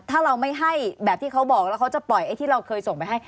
ถ้าเราไม่ให้แบบที่เขาบอกแล้วเขาจะปล่อยไอ้ที่เราเคยส่งไปให้